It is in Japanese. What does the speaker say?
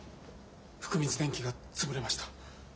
福満電気が潰れました。